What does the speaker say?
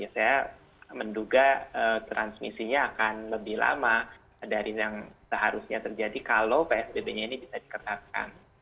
saya menduga transmisinya akan lebih lama dari yang seharusnya terjadi kalau psbb nya ini bisa diketatkan